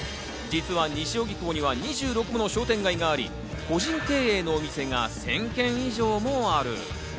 実は西荻窪には２６もの商店街があり、個人経営の店が１０００軒以上もある。